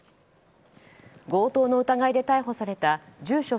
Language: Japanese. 強盗の疑いで逮捕された住所